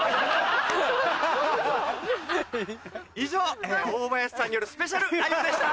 以上大林さんによるスペシャルライブでした！